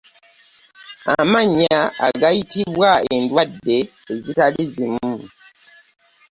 Amannya agayitibwa endwadde ezitali zimu.